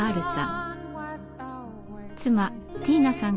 妻ティーナさん